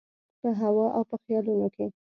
په هوا او په خیالونو کي